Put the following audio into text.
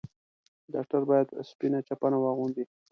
ډاکټر بايد سپينه چپنه واغوندي.